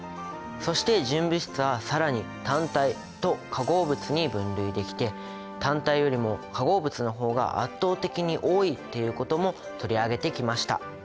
そして純物質は更に単体と化合物に分類できて単体よりも化合物の方が圧倒的に多いっていうことも取り上げてきました。